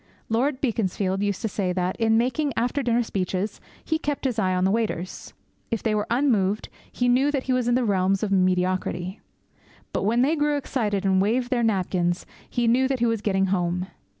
Lord Beaconsfield used to say that, in making after dinner speeches, he kept his eye on the waiters. If they were unmoved, he knew that he was in the realms of mediocrity. But when they grew excited and waved their napkins, he knew that he was getting home.